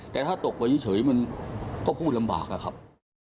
แต่ถ้าตกไปเฉยมันก็พูดลำบากอะครับ